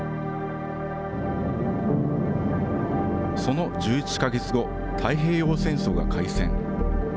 その１１か月後、太平洋戦争が開戦。